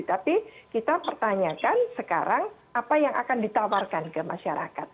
tapi kita pertanyakan sekarang apa yang akan ditawarkan ke masyarakat